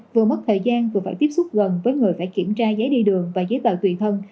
vừa mất thời gian vừa phải tiếp xúc gần với người phải kiểm tra giấy đi đường và giấy tờ tùy thân